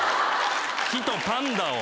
木とパンダを。